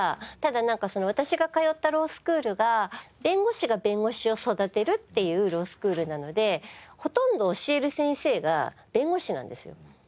ただなんかその私が通ったロースクールが弁護士が弁護士を育てるっていうロースクールなのでほとんど教える先生が弁護士なんですよ。